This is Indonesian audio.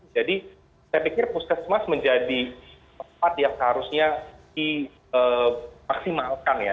jadi saya pikir puskesmas menjadi tempat yang seharusnya dimaksimalkan ya